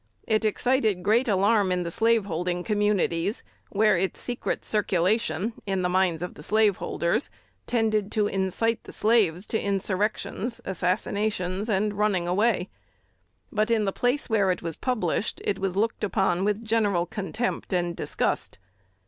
It excited great alarm in the slaveholding communities where its secret circulation, in the minds of the slaveholders, tended to incite the slaves to insurrections, assassinations, and running away; but in the place where it was published it was looked upon with general contempt and disgust.